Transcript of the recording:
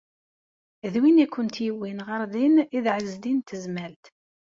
D win i kent-yewwin ɣer din i d Ɛezdin n Tezmalt?